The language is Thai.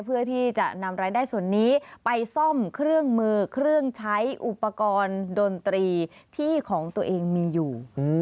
เพื่อที่จะนำรายได้ส่วนนี้ไปซ่อมเครื่องมือเครื่องใช้อุปกรณ์ดนตรีที่ของตัวเองมีอยู่